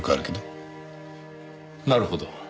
なるほど。